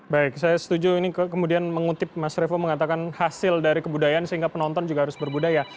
baik saya setuju ini kemudian mengutip mas revo mengatakan hasil dari kebudayaan sehingga penonton juga harus berbudaya